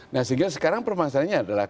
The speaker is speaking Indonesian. nah sehingga sekarang permasalahannya adalah